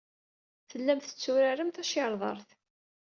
Tellam tetturarem tacirḍart.